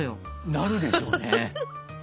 なるでしょうね。